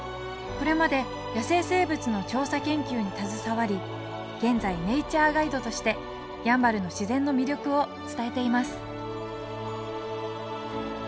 これまで野生生物の調査研究に携わり現在ネイチャーガイドとしてやんばるの自然の魅力を伝えています